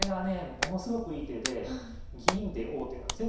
ものすごくいい手で銀で王手なんですね。